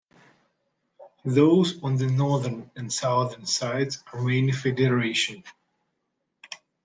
Those on the northern and southern sides are mainly Federation.